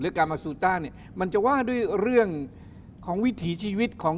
หรือกามาสูตรต้าร์นี่มันจะว่าด้วยเรื่องของวิถีชีวิตของ